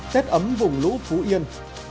tết ấm vùng lũ phú yên